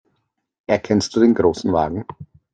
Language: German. Erkennst du den Großen Wagen?